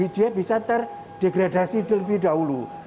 dia bisa terdegradasi terlebih dahulu